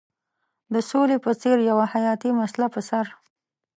د سولې په څېر یوه حیاتي مسله پر سر.